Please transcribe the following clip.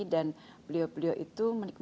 dan beliau beliau itu menikmati